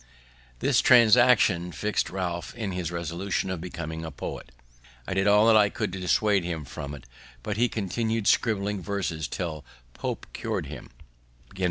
This transaction fixed Ralph in his resolution of becoming a poet. I did all I could to dissuade him from it, but he continued scribbling verses till Pope cured him.